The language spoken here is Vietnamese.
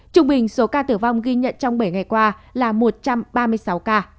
trung bình số ca tử vong ghi nhận trong bảy ngày qua là một trăm ba mươi sáu ca